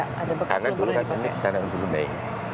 karena dulu kan ini di sana brunei